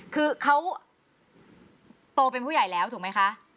คือเขาโตเป็นผู้ใหญ่แล้วถูกไหมคะ